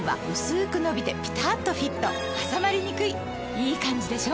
いいカンジでしょ？